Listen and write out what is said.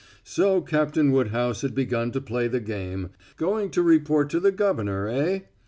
So Captain Woodhouse had begun to play the game going to report to the governor, eh?